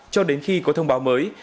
cho đến khi có thông báo mới